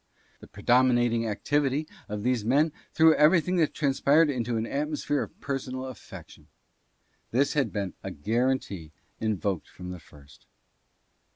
The predominating activity of these men threw everything that transpired into an atmosphere of per sonal affection. This had been a guarantee invoked from the first.